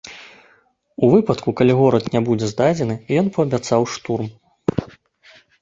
У выпадку, калі горад не будзе здадзены, ён паабяцаў штурм.